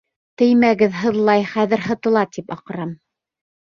Теймәгеҙ, һыҙлай, хәҙер һытыла, тип аҡырам.